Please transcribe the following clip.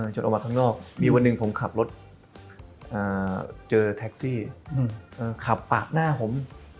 จดออกมาข้างนอกมีวันหนึ่งผมขับรถเจอแท็กซี่ขับปากหน้าผม